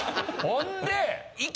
ほんで。